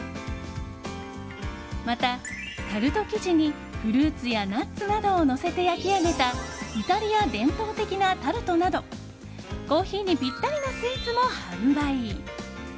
また、タルト生地にフルーツやナッツなどをのせて焼き上げたイタリア伝統的なタルトなどコーヒーにぴったりなスイーツも販売。